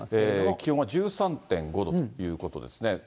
気温は１３．５度ということですね。